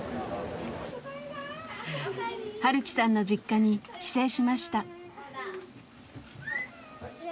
晴樹さんの実家に帰省しました。